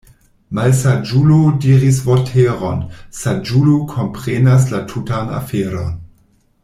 Malsaĝulo diris vorteron, saĝulo komprenas la tutan aferon.